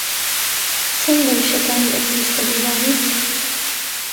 چەند لە وشەکانی ئەم لیستە دەزانیت؟